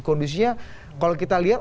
kondisinya kalau kita lihat